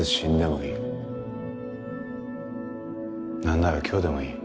なんなら今日でもいい。